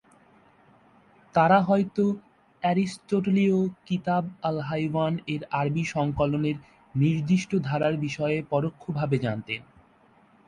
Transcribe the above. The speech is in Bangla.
তারা হয়তো অ্যারিস্টোটলীয় "কিতাব-আল-হাইয়াওয়ান"-এর আরবি সংকলনের নির্দিষ্ট ধারার বিষয়ে পরোক্ষভাবে জানতেন।